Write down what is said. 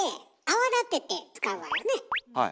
はい。